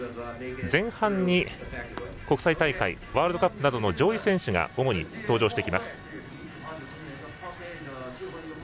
前半に国際大会ワールドカップなどの上位選手が主に登場してきます。